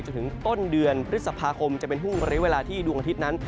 จนถึงต้นเดือนพฤษภาคมจะเป็นห่วงเรียกเวลาที่ดวงอาทิตย์นั้น